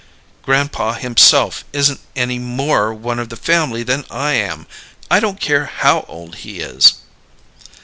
Grandpa himself isn't any more one of the family than I am, I don't care how old he is!"